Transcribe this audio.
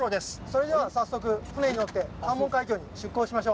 それでは早速船に乗って関門海峡に出航しましょう。